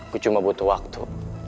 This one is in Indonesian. gue cuma butuh waktu